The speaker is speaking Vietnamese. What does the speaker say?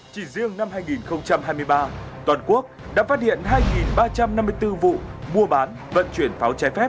chỉ riêng năm hai nghìn hai mươi ba toàn quốc đã phát hiện hai ba trăm năm mươi bốn vụ mua bán vận chuyển pháo trái phép